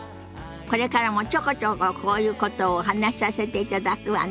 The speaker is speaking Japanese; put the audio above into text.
これからもちょこちょここういうことをお話しさせていただくわね。